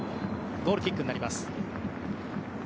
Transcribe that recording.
ゴールキックになります。